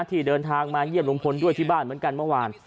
ที่เดินทางมาเยี่ยมลุงพลด้วยที่บ้านเหมือนกันเมื่อวาน